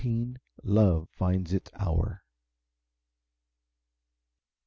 Love Finds Its Hour.